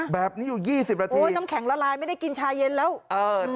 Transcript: แบบนี้นะโอ๋ยน้ำแข็งละลายไม่ได้กินชาเย็นแล้ว